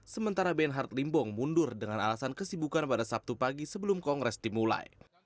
sementara benhard limbong mundur dengan alasan kesibukan pada sabtu pagi sebelum kongres dimulai